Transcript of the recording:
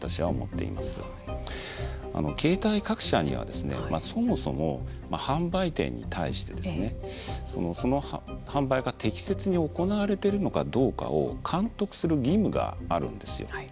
携帯各社にはそもそも販売店に対してその販売が適切に行われてるのかどうかを監督する義務があるんですよ。